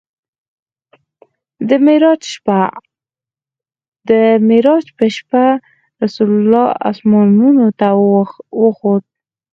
د معراج په شپه رسول الله اسمانونو ته وخوت.